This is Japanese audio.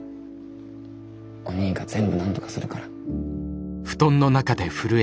おにぃが全部なんとかするから。